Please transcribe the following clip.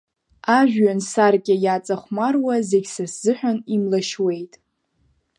Ажәҩан саркьа иаҵахәмаруа зегь са сзыҳәан имлашьуеит…